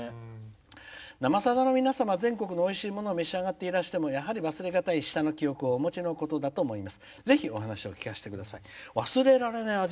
「生さだ」の皆様全国のおいしいものを召し上がっていてもおいしい舌をお持ちのことだと思います。